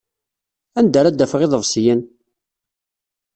Anda ara d-afeɣ iḍebsiyen?